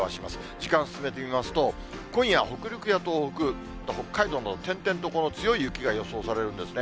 時間進めてみますと、今夜、北陸や東北、北海道も転々と強い雪が予想されるんですね。